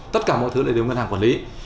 tất cả mọi thứ lại đều ngân hàng quản lý